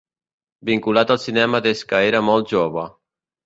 Vinculat al cinema des que era molt jove.